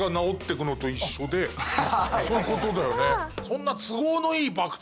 そういうことだよね。